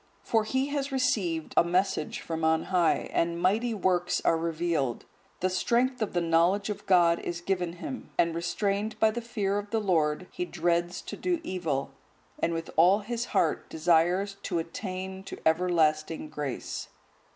For he has received a message from on high and mighty works are revealed; the strength of the knowledge of God is given him, and restrained by the fear of the Lord, he dreads to do evil, and with all his heart desires to attain to everlasting grace."